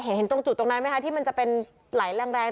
เห็นตรงจุดตรงนั้นไหมคะที่มันจะเป็นไหลแรง